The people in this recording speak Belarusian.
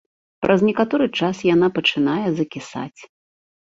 Праз некаторы час яна пачынае закісаць.